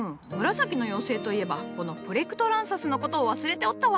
紫の妖精といえばこのプレクトランサスのことを忘れておったわ。